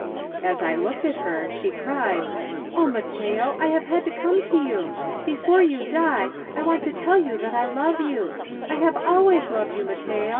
As I looked at her she cried: "Oh, Mat teo, I have had to come to you. Before you die, I want to tell you that I love you. I have always loved you, Matteo.'